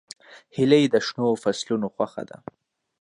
هیلۍ د شنو فصلونو خوښه ده